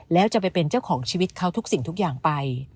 แล้วจะไปเป็นเจ้าของชีวิตเขาทุกสิ่งทุกอย่างไป